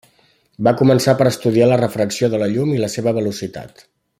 Va començar per estudiar la refracció de la llum i la seva velocitat.